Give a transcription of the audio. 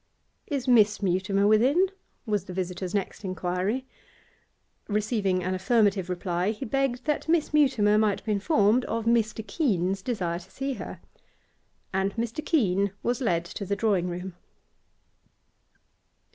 'Is Miss Mutimer within?' was the visitor's next inquiry. Receiving an affirmative reply, he begged that Miss Mutimer might be informed of Mr. Keene's desire to see her. And Mr. Keene was led to the drawing room.